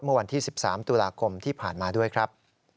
เมื่อวันที่๑๓ตุลาคมที่ผ่านมาด้วยครับ